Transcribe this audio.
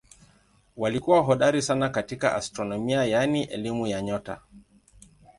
Walikuwa hodari sana katika astronomia yaani elimu ya nyota.